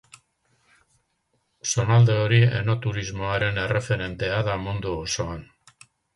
Zonalde hori enoturismoaren erreferentea da mundu osoan.